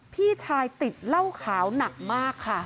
พี่ชายติดเหล้าขาวหนักมากค่ะ